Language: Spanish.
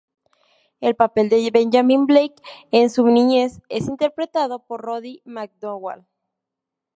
El papel de Benjamín Blake en su niñez, es interpretado por Roddy McDowall.